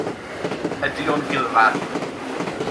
Ydy o'n gulfarn?